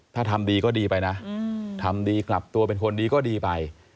ถ้าทำดีก็ดีไปนะทำดีกลับตัวเป็นคนดีก็ดีไป